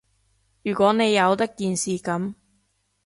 如果你由得件事噉